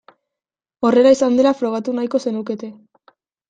Horrela izan dela frogatu nahiko zenukete.